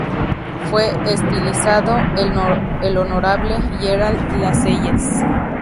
Fue estilizado "El Honorable" Gerald Lascelles.